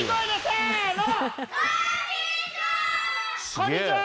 こんにちはー！